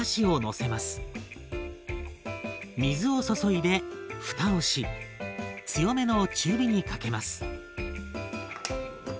水を注いでふたをし強めの中火にかけます。